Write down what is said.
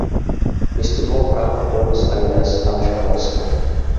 Vystudoval práva v Buenos Aires a ve Španělsku.